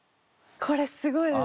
これすごいです。